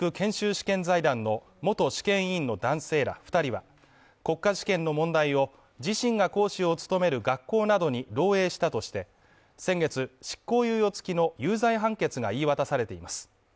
試験財団の元試験委員の男性ら２人は、国家試験の問題を、自身が講師を務める学校などに漏洩したとして先月、執行猶予付きの有罪判決が言い渡されています。